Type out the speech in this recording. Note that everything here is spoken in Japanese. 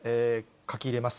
書き入れます。